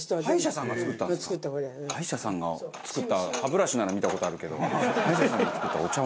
歯医者さんが作った歯ブラシなら見た事あるけど歯医者さんが作ったお茶碗。